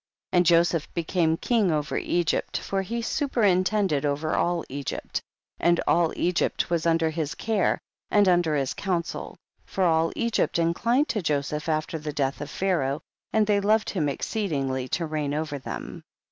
6. And Joseph became king over Egypt, for he superintended over all Egypt, and all Egypt was under his care and under his counsel, for all Egypt inclined to Joseph after the death of Pharaoh, and they loved him exceedingly to reign over them.